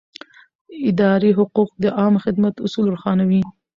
اداري حقوق د عامه خدمت اصول روښانوي.